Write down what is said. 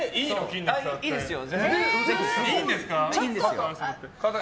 いいですよ。